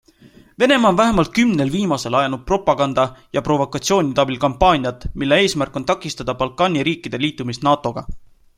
Venemaa on vähemalt kümnel viimasel ajanud propaganda ja provokatsioonide abil kampaaniat, mille eesmärk on takistada Balkani riikide liitumist NATOga.